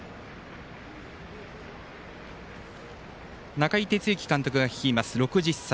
中井哲之監督が率います、６０歳。